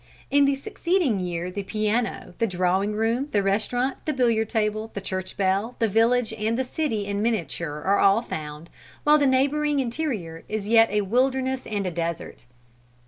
In the succeeding year the piano, the drawing room, the restaurant, the billiard table, the church bell, the village and the city in miniature are all found, while the neighboring interior is yet a wilderness and a desert.